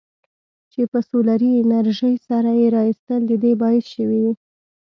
چې په سولري انرژۍ سره یې رایستل د دې باعث شویدي.